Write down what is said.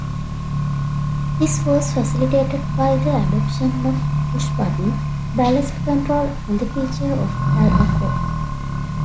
This was facilitated by the adoption of "push-button" ballast control, another feature of "Albacore".